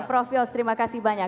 prof yos terima kasih banyak